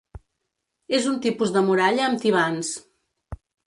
És un tipus de muralla amb tibants.